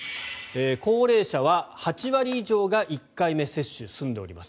高齢者は８割以上が１回目接種、済んでおります。